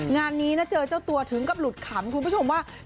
งานนี้นะเจอเจ้าตัวถึงกับหลุดขำคุณผู้ชมว่า